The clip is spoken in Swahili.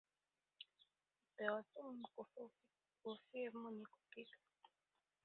Mpewa sumu hakufa ufie mwenye kupika